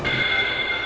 mama takut sekali sayang